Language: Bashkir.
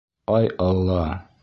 Ай, Алла!..